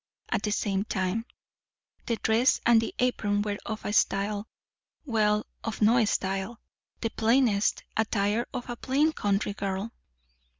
At the same time, the dress and the apron were of a style well, of no style; the plainest attire of a plain country girl.